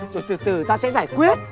rồi từ từ ta sẽ giải quyết